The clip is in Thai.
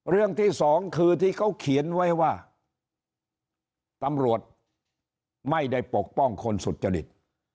เรื่องที่สองคือที่เขาเขียนไว้ว่าตำรวจไม่ได้ปกป้องคนสุจริต